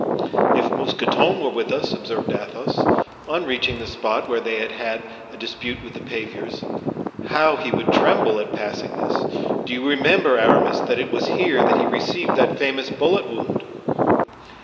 "If Mousqueton were with us," observed Athos, on reaching the spot where they had had a dispute with the paviers, "how he would tremble at passing this! Do you remember, Aramis, that it was here he received that famous bullet wound?"